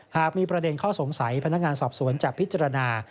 หากมีประเด็นข้อสงสัยพนักงานสอบสวนจะพิจารณา